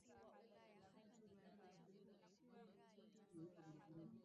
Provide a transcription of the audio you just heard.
la nchi ni umbo la Kihispania la jina la mji wa Venezia